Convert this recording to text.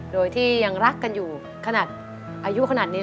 โดยที่ยังรักกันอยู่ขนาดอายุขนาดนี้